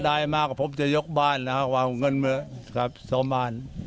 ถ้าได้มากผมจะยกบ้านใช้เงินส่อมบ้าน